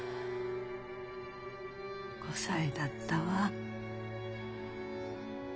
５歳だったわ。